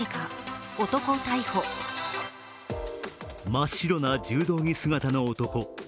真っ白の柔道着姿の男。